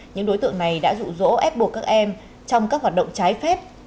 những đối tượng này đã dụ dỗ ép buộc các em trong các hoạt động trái phép